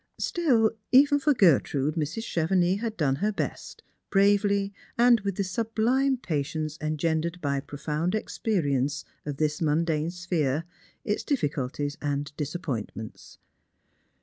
Still, even for Gertrude Mrs. Chevenix had done her best, bravely, and with the sublime patience engendered by profound axperience of this mundane sphere, its difficulties and disap pointments.